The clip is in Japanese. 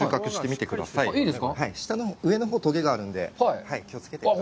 上のほう、とげがあるので、気をつけてください。